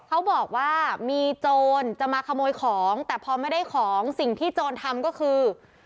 เขาบอกว่ามีโจรจะมาขโมยของแต่พอไม่ได้ของสิ่งที่โจรทำก็คือ